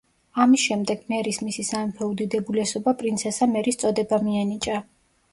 ამის შემდეგ მერის „მისი სამეფო უდიდებულესობა პრინცესა მერის“ წოდება მიენიჭა.